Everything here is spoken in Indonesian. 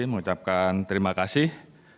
mengucapkan terima kasih